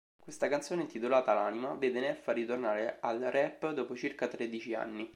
Questa canzone, intitolata "L'anima", vede Neffa ritornare al rap dopo circa tredici anni.